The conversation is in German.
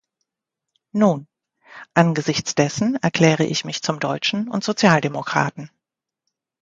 Nun, angesichts dessen erkläre ich mich zum Deutschen und Sozialdemokraten.